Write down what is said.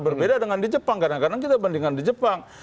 berbeda dengan di jepang kadang kadang kita bandingkan di jepang